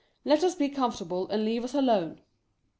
Let us be com fortable, and leave us alone.